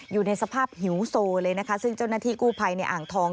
อยู่ในสภาพหิวโซเลยนะคะซึ่งเจ้าหน้าที่กู้ภัยในอ่างทอง